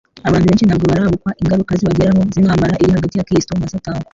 Abantu benshi ntabwo barabukwa ingaruka zibageraho z'intambara iri hagati ya Kristo na Satani,